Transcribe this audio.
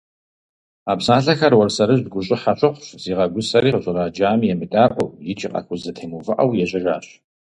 А псалъэхэр Уэрсэрыжь гущӀыхьэ щыхъущ, зигъэгусэри, къыщӀраджами емыдаӀуэу икӀи къахузэтемыувыӀэу, ежьэжащ.